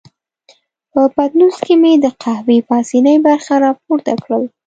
په پتنوس کې مې د قهوې پاسنۍ برخه را پورته کړل.